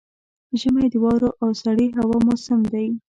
ژمی د واورو او سړې هوا موسم دی.